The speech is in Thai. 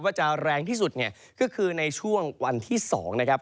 ว่าจะแรงที่สุดเนี่ยก็คือในช่วงวันที่๒นะครับ